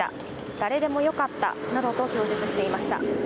誰でもよかったなどと供述していました。